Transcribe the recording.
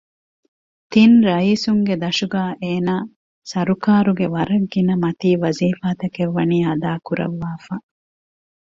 ތިން ރައީސުންގެ ދަށުގައި އޭނާ ސަރުކާރުގެ ވަރަށް ގިނަ މަތީ ވަޒީފާތަކެއް ވަނީ އަދާކުރައްވާފަ